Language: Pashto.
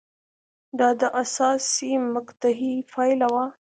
دا د حساسې مقطعې پایله وه